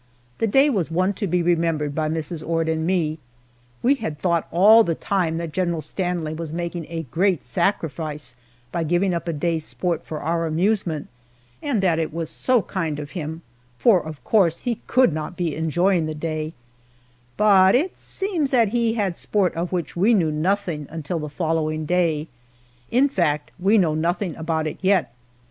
The day was one to be remembered by Mrs. Ord and me. We had thought all the time that General Stanley was making a great sacrifice by giving up a day's sport for our amusement, and that it was so kind of him, for, of course he could not be enjoying the day; but it seems that he had sport of which we knew nothing until the following day in fact, we know nothing about it yet!